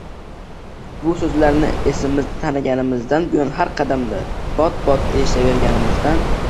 bu so‘zlarni esimizni taniganimizdan buyon har qadamda, bot-bot eshitaverganimizdan